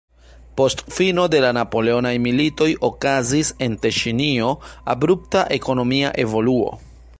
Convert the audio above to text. Post fino de la napoleonaj militoj okazis en Teŝinio abrupta ekonomia evoluo.